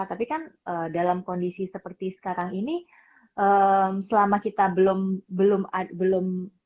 tapi kan dalam kondisi seperti sekarang ini selama kita belum